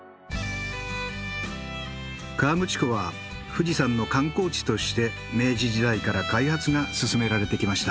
河口湖は富士山の観光地として明治時代から開発が進められてきました。